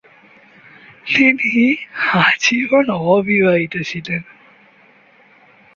তিনি আজীবন অবিবাহিত ছিলেন।